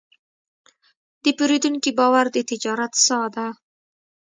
د پیرودونکي باور د تجارت ساه ده.